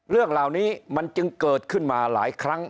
เรื่องเหล่านี้มันจึงเกิดขึ้นมาหลายครั้ง